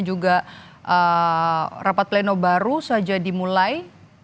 juga rapat pleno baru saja dimulai